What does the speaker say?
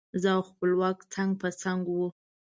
زه او خپلواک څنګ په څنګ وو.